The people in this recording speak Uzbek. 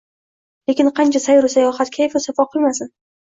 Lekin qancha sayru sayohat, kayfu safo qilmasin